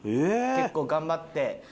「結構頑張って」。